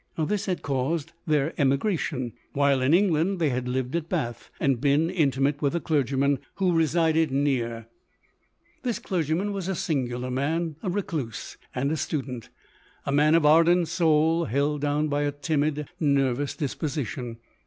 This had caused their emigration. While in England, they had lived at Bath, and been in timate with a clergyman, who resided near. LODORE. 2 2] This clergyman was a singular man — a recluse, and a student — a man of ardent soul, held down by a timid, nervous disposition.